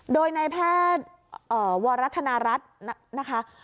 โดยนายแพทย์วรธนรัฐนะคะ